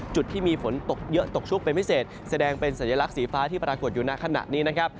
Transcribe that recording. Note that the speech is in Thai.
จุดที่มีฝนตกเยอะตกชุกเป็นพิเศษแสดงเป็นสัญลักษณ์สีฟ้าที่ปรากฏอยู่ในขณะนี้นะครับ